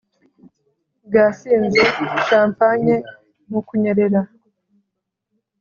bwasinze champagne mu kunyerera